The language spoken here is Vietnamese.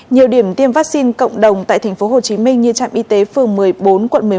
nhiều điểm tiêm vaccine cộng đồng tại tp hcm như trạm y tế phường một mươi bốn quận một mươi một